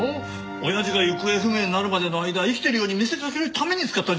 親父が行方不明になるまでの間生きてるように見せかけるために使ったんじゃないか。